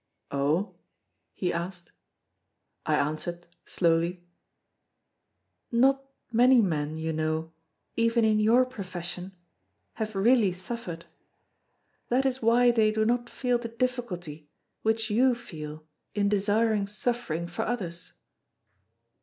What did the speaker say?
"Oh?" he asked. I answered slowly: "Not many men, you know, even in your profession, have really suffered. That is why they do not feel the difficulty which you feel in desiring suffering for others."